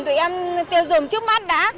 tụi em tiêu dùng trước mắt đã